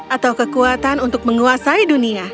atau kekuatan untuk menguasai dunia